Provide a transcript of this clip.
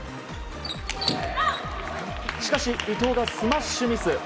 しかし伊藤がスマッシュミス。